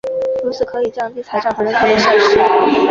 如此可以降低财产和人口的损失。